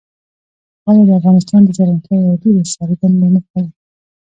خاوره د افغانستان د زرغونتیا یوه ډېره څرګنده نښه ده.